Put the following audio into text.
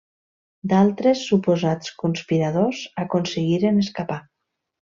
D'altres suposats conspiradors aconseguiren escapar.